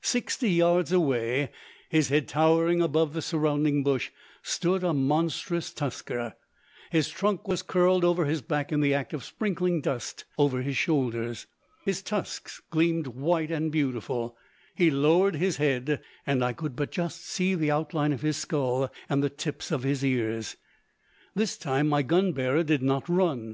Sixty yards away, his head towering above the surrounding bush, stood a monstrous tusker. His trunk was curled over his back in the act of sprinkling dust over his shoulders. His tusks gleamed white and beautiful. He lowered his head, and I could but just see the outline of his skull and the tips of his ears. This time my gun bearer did not run.